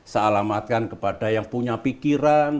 sealamatkan kepada yang punya pikiran